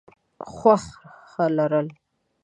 خوښه لرل: